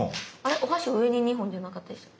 お箸上に２本じゃなかったでしたっけ？